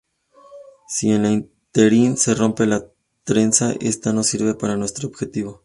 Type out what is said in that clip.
Si en el ínterin se rompe la trenza, esta no sirve para nuestro objetivo.